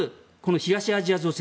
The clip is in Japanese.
東アジア情勢